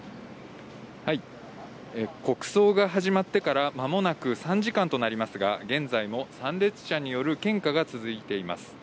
国葬が始まってから、まもなく３時間となりますが、現在も参列者による献花が続いています。